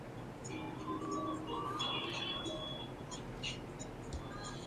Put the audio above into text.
Proaza ingresa de este modo en la Junta General del Principado.